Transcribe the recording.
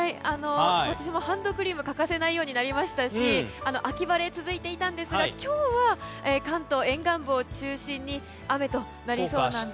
私もハンドクリームが欠かせないようになりましたし秋晴れが続いていたんですが今日は関東沿岸部を中心に雨となりそうなんです。